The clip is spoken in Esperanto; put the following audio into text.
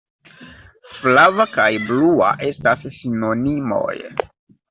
Flava kaj blua estas sinonimoj!